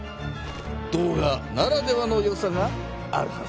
動画ならではのよさがあるはずだ。